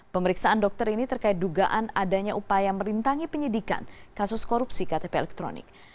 pemeriksaan dokter ini terkait dugaan adanya upaya merintangi penyidikan kasus korupsi ktp elektronik